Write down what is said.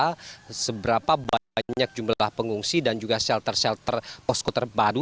kita harus mengetahui seberapa banyak jumlah pengungsi dan juga shelter shelter posko terpadu